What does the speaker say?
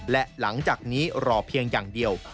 และหลังจากนี้รอเพียงอย่างเดียว